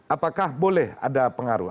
apakah boleh ada pengaruh